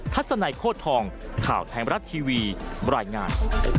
ทัศนัยโคตรทองข่าวไทยมรัฐทีวีบรรยายงาน